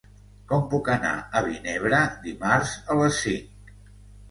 Com puc anar a Vinebre dimarts a les cinc?